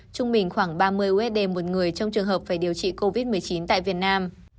trung bình khoảng ba mươi usd một người trong trường hợp phải điều trị covid một mươi chín tại việt nam